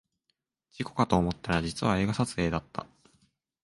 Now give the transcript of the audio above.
事故かと思ったら実は映画撮影だった